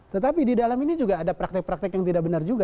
tetapi di dalam ini juga ada praktek praktek yang tidak benar juga